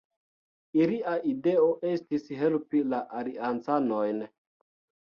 Ilia ideo estis helpi la Aliancanojn.